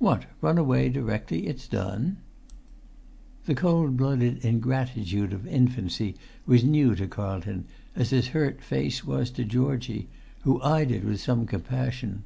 "What, run away directly it's done?" The cold blooded ingratitude of infancy was new to Carlton, as his hurt face was to Georgie, who eyed it with some compassion.